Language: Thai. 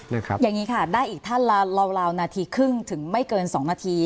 นะครับอย่างงี้ค่ะได้อีกท่านลาลาวลาวนาทีครึ่งถึงไม่เกินสองนาที